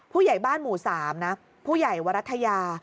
ผู้ใหญ่บ้านหมู่๓นะผู้ใหญ่วรัฐยา